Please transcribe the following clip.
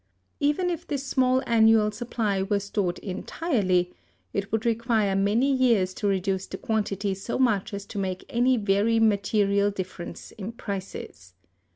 Even if this small annual supply were stopped entirely, it would require many years to reduce the quantity so much as to make any very material difference in prices.